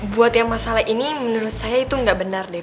buat yang masalah ini menurut saya itu nggak benar deh